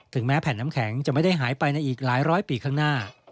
แม้แผ่นน้ำแข็งจะไม่ได้หายไปในอีกหลายร้อยปีข้างหน้า